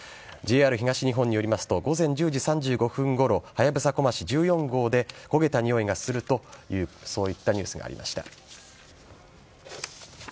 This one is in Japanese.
ＪＲ東日本によりますと午前１０時３５分ごろはやぶさ・こまち１４号で焦げたにおいがするといったニュースがありました。